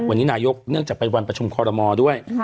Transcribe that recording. วันนี้นายกเนื่องจากเป็นวันประชุมคอรมอลด้วย